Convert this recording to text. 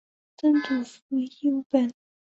曾祖父尹务本。